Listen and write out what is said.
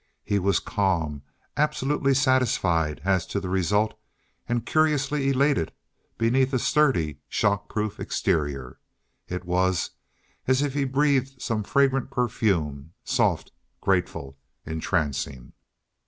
He was calm, absolutely satisfied as to the result, and curiously elated beneath a sturdy, shock proof exterior. It was as if he breathed some fragrant perfume, soft, grateful, entrancing.